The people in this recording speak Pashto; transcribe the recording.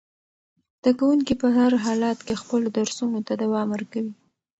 زده کوونکي په هر حالت کې خپلو درسونو ته دوام ورکوي.